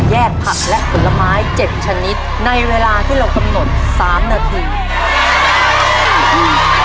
แยกผักและผลไม้เจ็บชนิดในเวลาที่เราตำหนดสามนาที